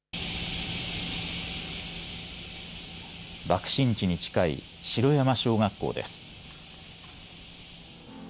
爆心地に近い城山小学校です。